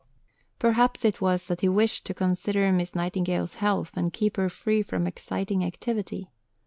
Perhaps it was that he wished to consider Miss Nightingale's health and keep her free from exciting activity.